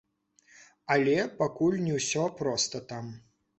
Але пакуль не ўсё проста там.